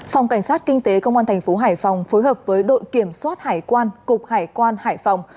phòng cảnh sát kinh tế công an thành phố hải phòng phối hợp với đội kiểm soát hải quan cục hải quan hải phòng